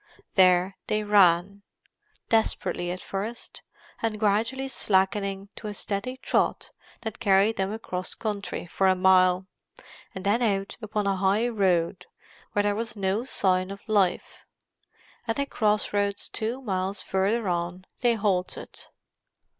There they ran; desperately at first, and gradually slackening to a steady trot that carried them across country for a mile, and then out upon a highroad where there was no sign of life. At a cross roads two miles further on they halted.